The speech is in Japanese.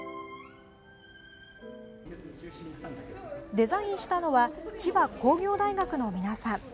デザインしたのは千葉工業大学の皆さん。